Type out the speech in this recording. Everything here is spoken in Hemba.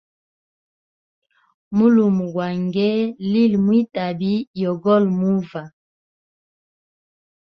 Mulume gwa ngee li mwi tabi yogoli muva.